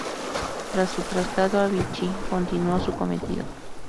Tras su traslado a Vichy, continuó su cometido.